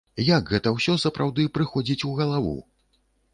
Як гэта ўсё сапраўды прыходзіць у галаву?